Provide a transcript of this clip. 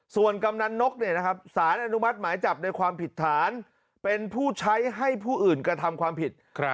ส่วนกำนันนกสารอนุมัติหมายจับในความผิดฐานเป็นผู้ใช้ให้ผู้อื่นกระทำความผิด